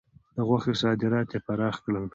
د غوښو صادرات یې پراخ کړل.